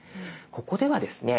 ここではですね